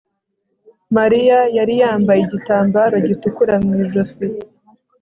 Mariya yari yambaye igitambaro gitukura mu ijosi